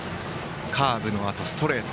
カーブのあと、ストレート